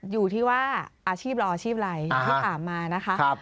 อยู่ที่ว่าอาชีพเราอาชีพอะไรที่ถามมานะคะ